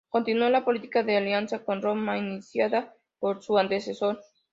Continuó la política de alianza con Roma iniciada por su antecesor.